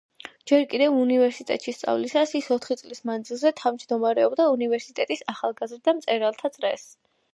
ჯერ კიდევ უნივერსიტეტში სწავლისას, ის, ოთხი წლის მანძილზე, თავმჯდომარეობდა უნივერსიტეტის ახალგაზრდა მწერალთა წრეს.